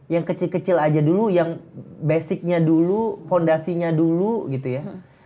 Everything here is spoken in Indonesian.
yang kecil kecil aja dulu yang basicnya dulu fondasinya dulu gitu ya